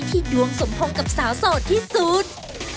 ดวงสมพงษ์กับสาวโสดที่สุด